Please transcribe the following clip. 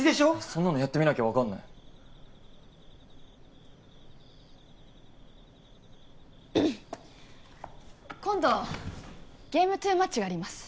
そんなのやってみなきゃ分かんない今度ゲーム・トゥ・マッチがあります